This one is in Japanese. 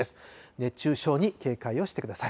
熱中症に警戒をしてください。